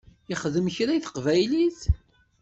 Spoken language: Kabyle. Yexdem kra i teqbaylit?